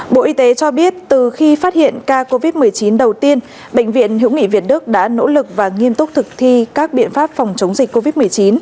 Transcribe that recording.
bộ y tế cho biết từ khi phát hiện ca covid một mươi chín đầu tiên bệnh viện hữu nghị việt đức đã nỗ lực và nghiêm túc thực thi các biện pháp phòng chống dịch covid một mươi chín